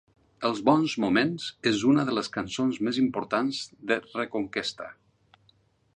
Els Bons Moments és una de les cançons més importants de Reconquesta